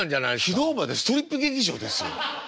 昨日までストリップ劇場ですよ？